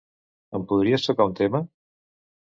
Em podries tocar un tema?